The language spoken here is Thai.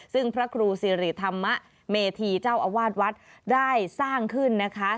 ซึ่งพระครูสิริธรรมเมธีเจ้าอาวาสวัดได้สร้างขึ้นนะคะ